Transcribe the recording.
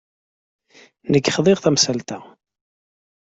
Nekk xḍiɣ i temsalt-a.